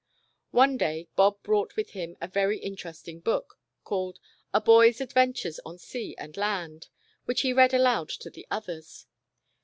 One day. Bob brought with him a very inter esting book, called A Boy s Adventures on Sea and Land, which he read aloud to the others.